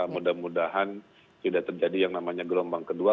mudah mudahan tidak terjadi yang namanya gelombang kedua